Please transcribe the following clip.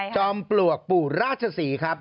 จอมปลวกปู่ราชศรีครับ